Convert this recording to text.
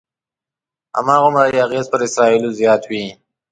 هماغومره یې اغېز پر اسرایلو زیات وي.